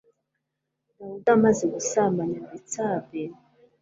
dawudi amaze gusambanya betsabe